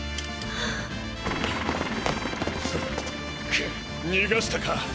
くっにがしたか。